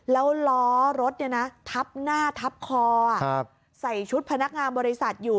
แล้วล้อรถทับหน้าทับคอใส่ชุดพนักงานบริษัทอยู่